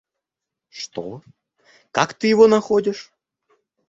Что? Как ты его находишь?